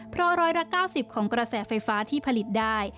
เพราะร้อยละ๙๐ของกระแสไฟฟ้าที่ผลิตได้